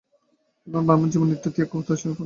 এরূপ ব্রাহ্মণের জীবন নিত্য ত্যাগ ও তপস্যায় পূর্ণ।